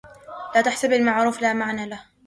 لا تحسب المعروف لا معنى له